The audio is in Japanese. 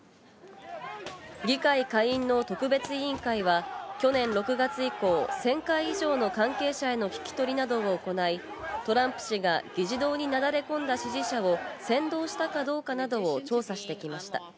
議会下院の特別委員会は去年６月以降、１０００回以上の関係者への聞き取りなどを行い、トランプ氏が議事堂になだれ込んだ支持者を扇動したかどうかなどを調査してきました。